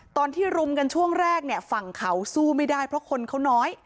ตอนที่รุมกันช่วงแรกเนี่ยฝั่งเขาสู้ไม่ได้เพราะคนเขาน้อย